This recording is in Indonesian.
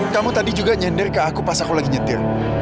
kamu tadi juga nyender ke aku pas aku lagi nyetir